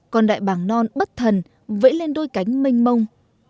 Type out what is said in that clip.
con đại bàng non bất thần vẫy lên đôi cánh mênh mông